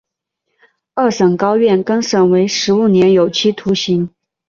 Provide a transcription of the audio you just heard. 二审高院更审为十五年有期徒刑。